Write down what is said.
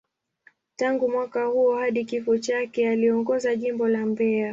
Tangu mwaka huo hadi kifo chake, aliongoza Jimbo la Mbeya.